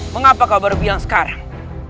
mengapa kau baru bilang sekarang